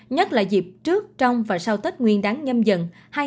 nhất là dịp trước trong và sau tết nguyên đáng nhâm dận hai nghìn hai mươi hai